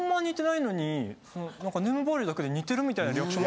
何かネームバリューだけで似てるみたいなリアクション。